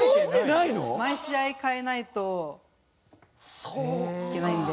毎試合変えないといけないので。